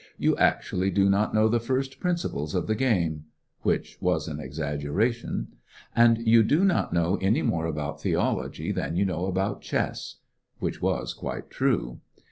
You actually do not know the first principles of the game" (which was an exaggeration), "and you do not know any more about theology than you know about chess" (which was quite true).